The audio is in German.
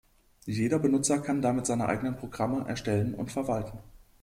Jeder Benutzer kann damit seine eigenen Programme erstellen und verwalten.